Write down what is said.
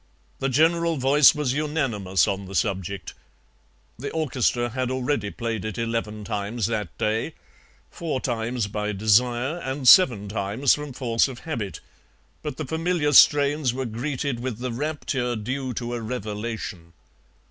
The general voice was unanimous on the subject. The orchestra had already played it eleven times that day, four times by desire and seven times from force of habit, but the familiar strains were greeted with the rapture due to a revelation.